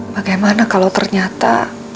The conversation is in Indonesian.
bagaimana kalau ternyata